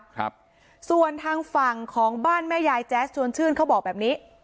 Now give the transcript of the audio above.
ครับส่วนทางฝั่งของบ้านแม่ยายแจ๊สชวนชื่นเขาบอกแบบนี้